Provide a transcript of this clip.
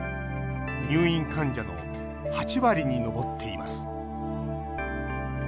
入院患者の８割に上っています。